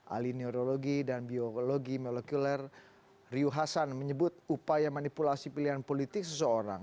ahli neurologi dan biologi molekuler riu hasan menyebut upaya manipulasi pilihan politik seseorang